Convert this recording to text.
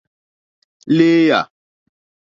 Lééyà.